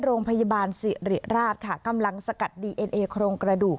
โรงพยาบาลสิริราชค่ะกำลังสกัดดีเอ็นเอโครงกระดูก